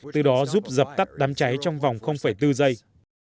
từ đó giúp dập tắt đám cháy trong vòng bốn giây